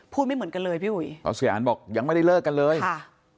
ไม่เหมือนกันเลยพี่อุ๋ยเพราะเสียอันบอกยังไม่ได้เลิกกันเลยค่ะ